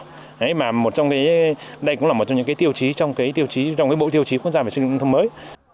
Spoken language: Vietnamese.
đấy mà một trong cái đây cũng là một trong những tiêu chí trong cái tiêu chí trong cái bộ tiêu chí quốc gia về sinh dựng thông mới